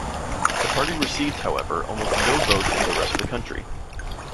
The party received, however, almost no votes in the rest of the country.